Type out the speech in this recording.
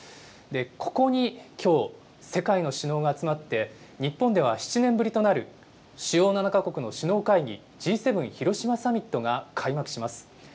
ここにきょう、世界の首脳が集まって、日本では７年ぶりとなる主要７か国の首脳会議、Ｇ７広島サミットが開幕します。